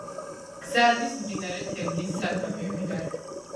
გზა ადის მდინარე თერგის სათავეებიდან.